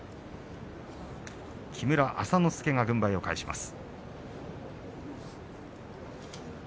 木村朝之助が軍配を返します。